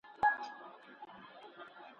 معلم غني ثمر ګل ته د نوي تعلیمي کال مبارکي ورکړه.